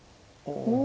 お。